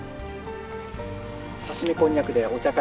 刺身こんにゃくでお茶会。